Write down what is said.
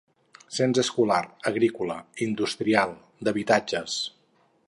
Cens escolar, agrícola, industrial, d'habitatges.